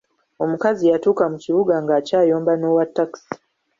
Omukazi yatuuka mu kibuga ng'akyayomba n'owa takisi.